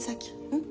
うん？